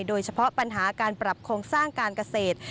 โดยเฉพาะปัญหาการปรับโครงสร้างการเกษตร